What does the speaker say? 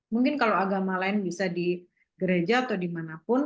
mungkin kalau agama lain bisa di gereja atau dimanapun